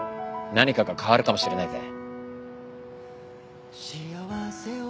何かが変わるかもしれないぜ。